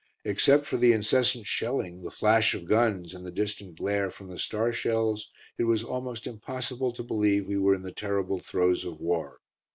Except for the incessant shelling, the flash of guns, and the distant glare from the star shells, it was almost impossible to believe we were in the terrible throes of war.